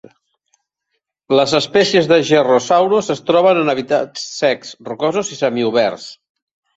Les espècies de "Gerrhosaurus" es troben en hàbitats secs, rocosos i semioberts.